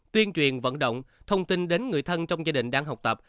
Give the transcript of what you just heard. tuyên truyền vận động thông tin đến người thân trong gia đình đang học tập